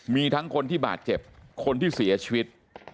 มีทั้งคนที่บาดเจ็บคนที่เสียชีวิต